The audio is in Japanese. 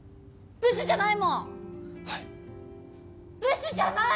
ブスじゃない！